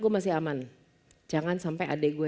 gue masih aman jangan sampai adik gue